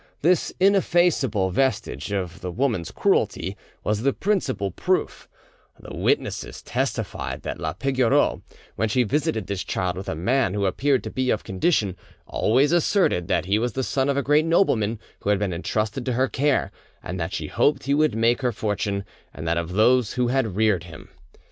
This ineffaceable vestige of the woman's cruelty was the principal proof; the witnesses testified that la Pigoreau, when she visited this child with a man who appeared to be of condition, always asserted that he was the son of a great nobleman who had been entrusted to her care, and that she hoped he would make her fortune and that of those who had reared him.